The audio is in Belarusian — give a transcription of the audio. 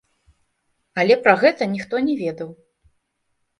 Але пра гэта ніхто не ведаў.